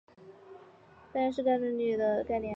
半鞅是概率论的概念。